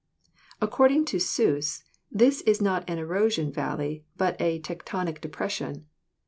Ac cording to Suess, this is not an erosion valley but a tec tonic depression.